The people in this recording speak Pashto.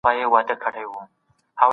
څېړونکي په خپله موضوع کې پلټنه کوله.